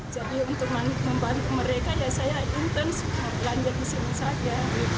jadi untuk membantu mereka ya saya intens belanja di sini saja